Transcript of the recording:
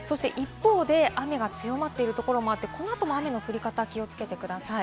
雨が強まっているところもあって、この後も雨の降り方、気をつけてください。